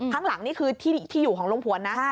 ข้างหลังนี่คือที่อยู่ของลุงผวนนะ